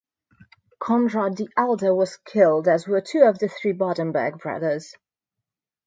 Conrad the Elder was killed, as were two of the three Babenberg brothers.